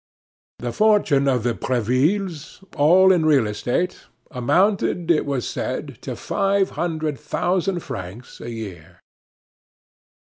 The fortune of the Brevilles, all in real estate, amounted, it was said, to five hundred thousand francs a year.